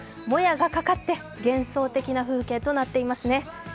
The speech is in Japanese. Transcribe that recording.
もやがかかって幻想的な風景となっていますね。